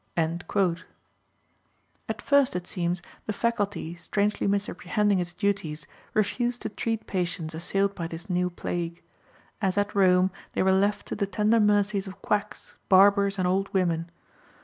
" At first, it seems, the faculty, strangely misapprehending its duties, refused to treat patients assailed by this new plague. As at Rome, they were left to the tender mercies of quacks, barbers, and old women.